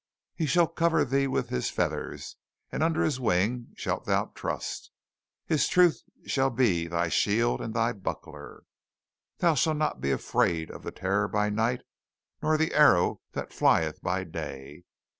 "He shall cover thee with his feathers, and under his wings shalt thou trust: his truth shall be thy shield and thy buckler. "Thou shalt not be afraid for the terror by night, nor for the arrow that flieth by day.